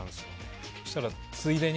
そしたらついでに。